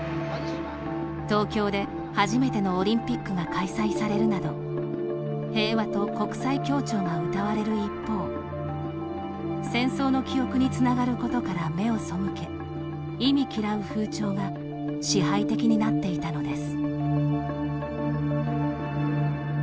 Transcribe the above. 東京で初めてのオリンピックが開催されるなど平和と国際協調がうたわれる一方戦争の記憶につながることから目を背け忌み嫌う風潮が支配的になっていたのです。